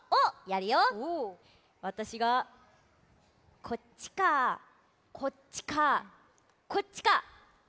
わたしがこっちかこっちかこっちかこっちか！